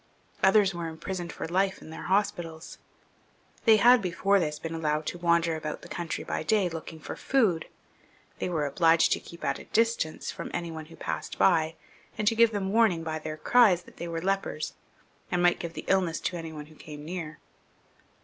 Others were imprisoned for life in their hospitals. They had before this been allowed to wander about the country by day looking for food. They were obliged to 148 PHILIP V. {LE LONG). [CH. keep at a distance from any one who passed hj, and to give them warning by their cries that they were lepers, and might give the illness to any one who came near.